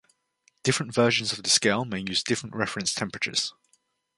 Different versions of the scale may use different reference temperatures.